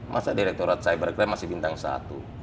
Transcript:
masa direkturat cyber crime masih bintang satu